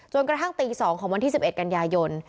กระทั่งตี๒ของวันที่๑๑กันยายน